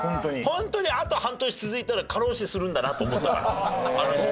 ホントにあと半年続いたら過労死するんだなと思ったからあの時。